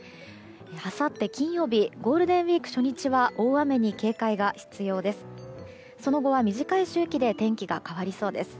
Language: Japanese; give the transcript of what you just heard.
あさって金曜日ゴールデンウィーク初日は大雨に警戒が必要です。